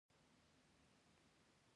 د اختطافونو مخه نیول شوې